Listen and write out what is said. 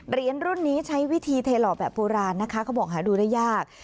รุ่นนี้ใช้วิธีเทหล่อแบบโบราณนะคะเขาบอกหาดูได้ยาก